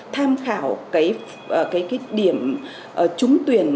tham khảo cái điểm trúng tuyển